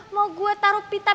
mau gue taruh pita pita pita